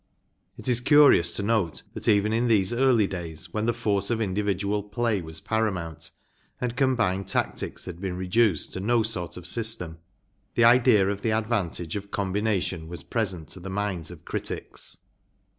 It is curious to note that even in these early days, when the force of individual play was paramount and combined tactics had been reduced to no sort of system, the idea of the advan¬ tage of combination was present to the minds of critics.